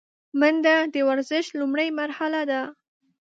منډه د ورزش لومړۍ مرحله ده